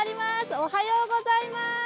おはようございます。